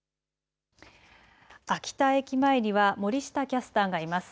秋田駅前には森下キャスターがいます。